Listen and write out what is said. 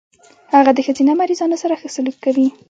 هغه د ښځينه مريضانو سره ښه سلوک کوي.